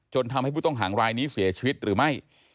ทำให้ผู้ต้องหางรายนี้เสียชีวิตหรือไม่